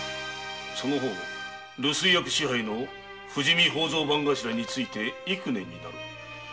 その方留守居役支配の富士見宝蔵番頭に就いて幾年になる？